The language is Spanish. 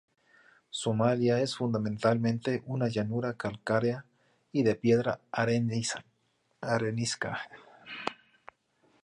Somalia es fundamentalmente una llanura calcárea y de piedra arenisca.